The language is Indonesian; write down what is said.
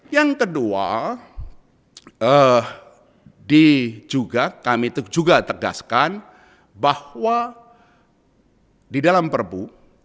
yang kedua kami juga tegaskan bahwa di dalam perbu